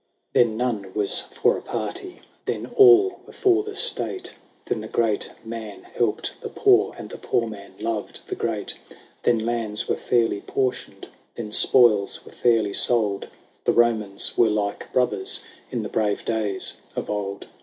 XXXII. Then none was for a party ; Then all were for the state ; Then the great man helped the poor, And the poor man loved the great : Then lands were fairly portioned ; Then spoils were fairly sold : The Romans were like brothers In the brave days of old.